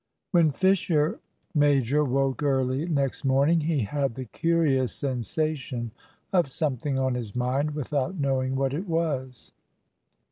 When Fisher major woke early next morning he had the curious sensation of something on his mind without knowing what it was.